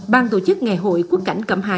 bàn tổ chức ngày hội quốc cảnh cẩm hà